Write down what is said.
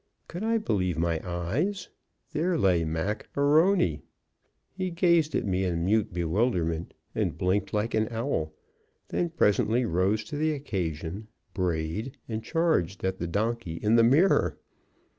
Could I believe my eyes? There lay Mac A'Rony. He gazed at me in mute bewilderment and blinked like an owl, then presently rose to the occasion, brayed, and charged at the donkey in the mirror.